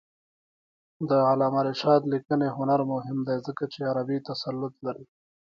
د علامه رشاد لیکنی هنر مهم دی ځکه چې عربي تسلط لري.